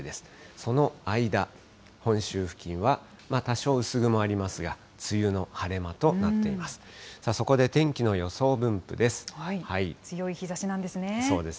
その間、本州付近は多少薄雲ありますが、梅雨の晴れ間となっています。